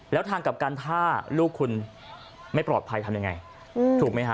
แล้วทางกลับกันถ้าลูกคุณไม่ปลอดภัยทำยังไงถูกไหมฮะ